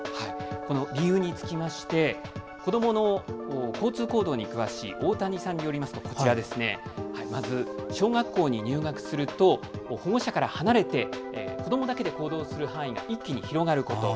この理由につきまして子どもの交通行動に詳しい大谷さんによりますと小学校に入学すると保護者から離れて子どもだけで行動する範囲が一気に広がること。